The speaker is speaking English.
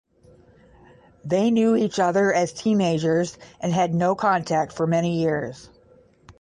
They knew each other as teenagers, and had no contact for many years.